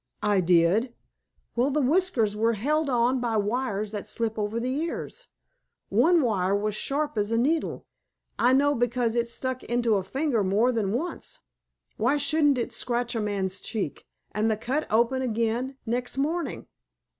"I did." "Well, the whiskers were held on by wires that slip over the ears. One wire was sharp as a needle. I know, because it stuck into a finger more than once. Why shouldn't it scratch a man's cheek, and the cut open again next morning?"